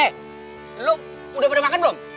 eh lo udah udah makan belum